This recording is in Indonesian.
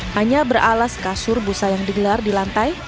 hanya beralas kasur busa yang digelar di lantai